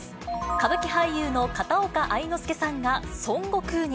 歌舞伎俳優の片岡愛之助さんが孫悟空に。